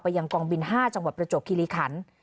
ยังกองบิน๕จังหวัดประจวบคิริขัน